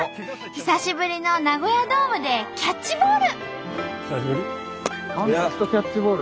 久しぶりのナゴヤドームでキャッチボール。